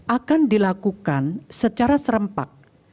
akan dilakukan secara serempak